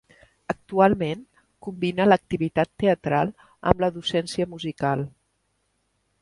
Actualment, combina l'activitat teatral amb la docència musical.